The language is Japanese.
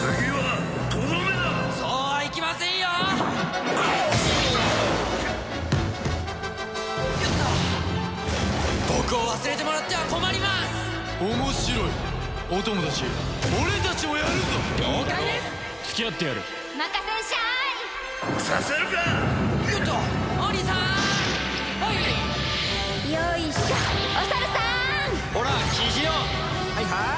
はいはい！